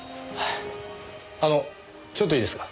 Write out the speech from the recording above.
あのちょっといいですか。